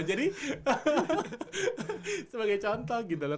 jadi sebagai contoh gitu loh